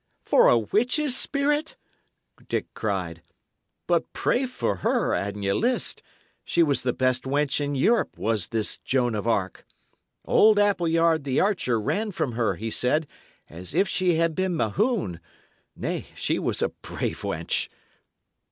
"For a witch's spirit?" Dick cried. "But pray for her, an ye list; she was the best wench in Europe, was this Joan of Arc. Old Appleyard the archer ran from her, he said, as if she had been Mahoun. Nay, she was a brave wench."